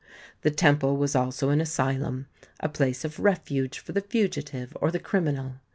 The temple was also an asylum, a place of refuge for the fugitive or the criminal.